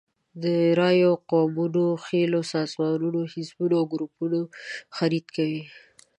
د رایو، قومونو، خېلونو، سازمانونو، حزبونو او ګروپونو خرید کوي.